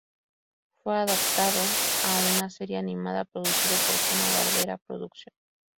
Fue adaptado a una serie animada producido por Hanna-Barbera Productions.